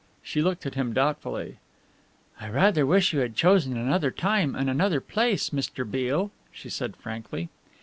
She looked at him doubtfully. "I rather wish you had chosen another time and another place, Mr. Beale," she said frankly.